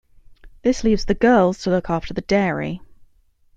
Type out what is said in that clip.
This leaves the girls to look after the dairy.